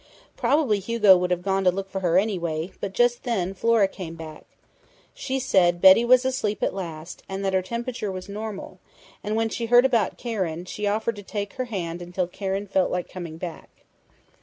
Probably Hugo would have gone to look for her anyway, but just then Flora came back. She said Betty was asleep at last and that her temperature was normal, and when she heard about Karen, she offered to take her hand until Karen felt like coming back."